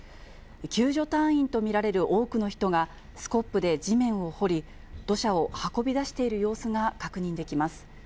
救助隊員と見られる多くの人がスコップで地面を掘り、土砂を運び出している様子が確認できます。